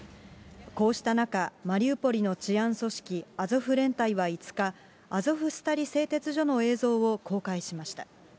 こうした中、マリウポリの治安組織、アゾフ連隊は５日、アゾフスタリ製鉄所の映像を公開しました。